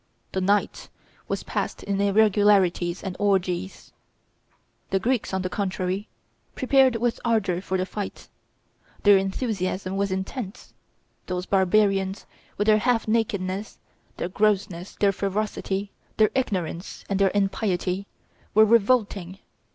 The night was passed in irregularities and orgies. The Greeks, on the contrary, prepared with ardor for the fight. Their enthusiasm was intense. Those barbarians, with their half nakedness, their grossness, their ferocity, their ignorance, and their impiety, were revolting.